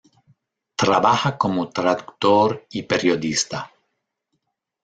Trabaja como traductor y periodista.